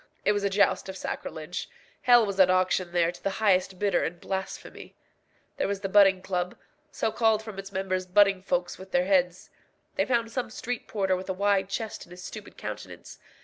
It was a joust of sacrilege. Hell was at auction there to the highest bidder in blasphemy. There was the Butting Club, so called from its members butting folks with their heads. They found some street porter with a wide chest and a stupid countenance.